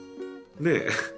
ねえ。